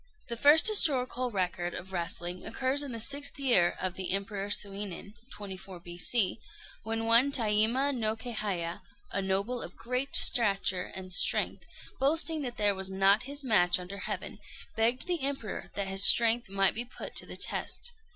The first historical record of wrestling occurs in the sixth year of the Emperor Suinin (24 B.C.), when one Taima no Kéhaya, a noble of great stature and strength, boasting that there was not his match under heaven, begged the Emperor that his strength might be put to the test.